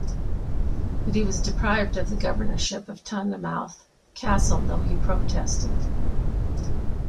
But he was deprived of the governorship of Tynemouth Castle, though he protested.